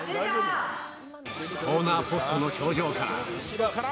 コーナーポストの頂上から。